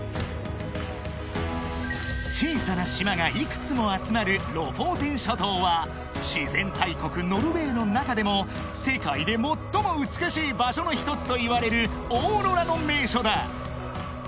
［小さな島が幾つも集まるロフォーテン諸島は自然大国ノルウェーの中でも世界で最も美しい場所の一つといわれるオーロラの名所だ］